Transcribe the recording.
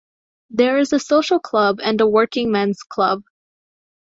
There is a social club and a working men's club.